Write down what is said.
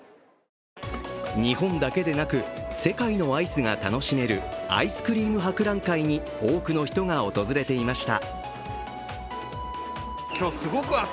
日本だけでなく世界のアイスが楽しめるアイスクリーム博覧会に多くの人が訪れていました。